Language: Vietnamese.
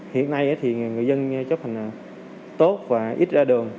hiện nay thì người dân chấp hành tốt và ít ra đường